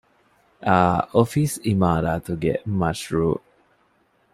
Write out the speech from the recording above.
އައު އޮފީސް ޢިމާރާތުގެ މަޝްރޫޢު